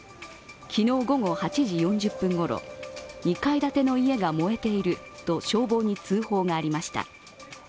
昨日午後８時４０分ごろ、２階建ての家が燃えていると消防に通報がありました。